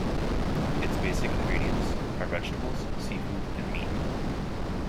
Its basic ingredients are vegetables, seafood and meat.